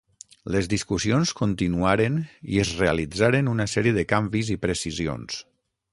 Les discussions continuaren i es realitzaren una sèrie de canvis i precisions.